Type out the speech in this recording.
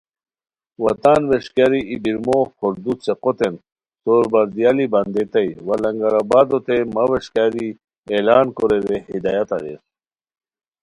وا تان ویݰکیاری ای بیر موغ پھوردو څیقوتین (سور بردییالی) بندیتائے وا لنگر آبادوتے مہ ویݰکیاری اعلان کورے رے ہدایت اریر